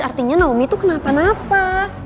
artinya naomi itu kenapa napa